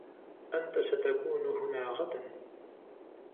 أنتَ ستكون هنا غداً؟